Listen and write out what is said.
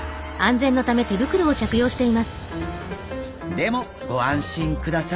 でもご安心ください。